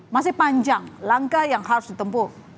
masih panjang langkah yang harus ditempuh